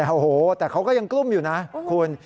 โอ้โหแต่เขาก็ยังกลุ้มอยู่นะคุณ